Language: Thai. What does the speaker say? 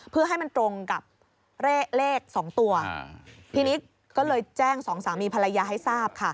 เพื่อให้มันตรงกับเลขสองตัวทีนี้ก็เลยแจ้งสองสามีภรรยาให้ทราบค่ะ